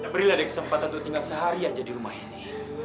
tak berilah dia kesempatan untuk tinggal sehari saja di rumah ini